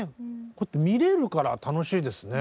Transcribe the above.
こうやって見れるから楽しいですね。